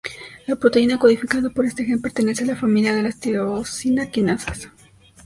La proteína codificada por este gen pertenece a la familia de las tirosina quinasas.